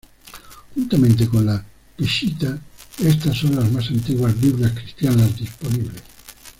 Juntamente con la Peshitta, estas son las más antiguas Biblias cristianas disponibles.